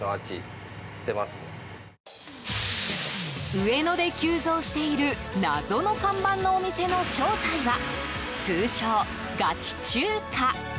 上野で急増している謎の看板のお店の正体は通称ガチ中華。